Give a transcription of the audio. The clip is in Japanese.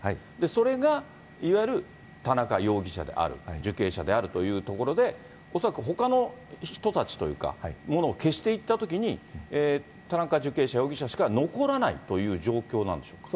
それがいわゆる田中容疑者である、受刑者であるということで、恐らくほかの人たちというか、ものを消していったときに、田中受刑者、容疑者しか残らないという状況なんでしょうか。